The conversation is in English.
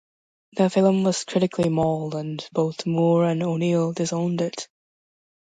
The film was critically mauled and both Moore and O'Neill disowned it.